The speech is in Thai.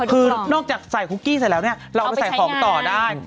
คือนอกจากใส่คุกกี้เสร็จแล้วเนี่ยเราเอาไปใส่ของต่อได้